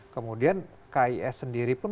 kemudian kis sendiri pun